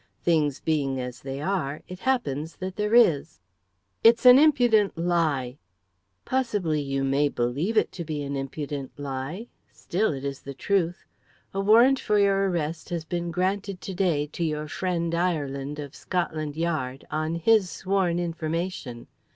Things being as they are, it happens that there is." "It's an impudent lie!" "Possibly you may believe it to be an impudent lie; still, it is the truth. A warrant for your arrest has been granted to day to your friend Ireland, of Scotland Yard, on his sworn information.